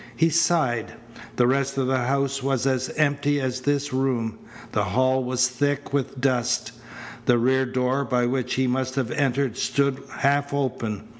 He sighed. The rest of the house was as empty as this room. The hall was thick with dust. The rear door by which he must have entered stood half open.